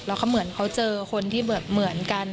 แล้วเขาเหมือนเขาเจอคนที่แบบเหมือนกัน